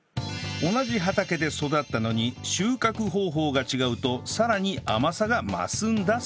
同じ畑で育ったのに収穫方法が違うとさらに甘さが増すんだそう